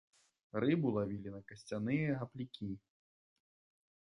Рыбу лавілі на касцяныя гаплікі.